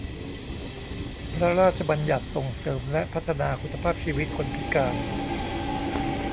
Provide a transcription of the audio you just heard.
พระราชบัญญัติส่งเสริมและพัฒนาคุณภาพชีวิตคนพิการ